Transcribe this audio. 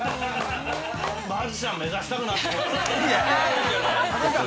マジシャン目指したくなった。